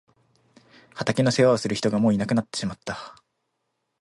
畑の世話をする人がもういなくなってしまった。